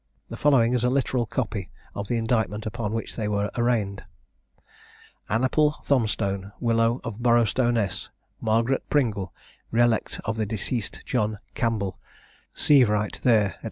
The following is a literal copy of the indictment upon which they were arraigned "Annaple Thomsone, widow in Borrostowness, Margaret Pringle, relect of the deceast John Campbell, seivewright there, &c.